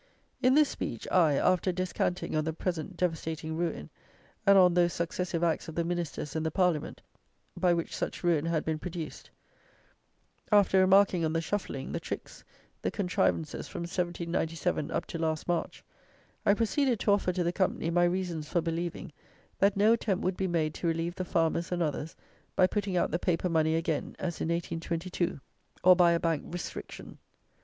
In this speech, I, after descanting on the present devastating ruin, and on those successive acts of the Ministers and the Parliament by which such ruin had been produced; after remarking on the shuffling, the tricks, the contrivances from 1797 up to last March, I proceeded to offer to the company my reasons for believing, that no attempt would be made to relieve the farmers and others, by putting out the paper money again, as in 1822, or by a bank restriction.